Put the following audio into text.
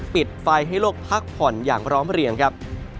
ปิดไฟให้โลกพักผ่อนอย่างพร้อมเรียงครับ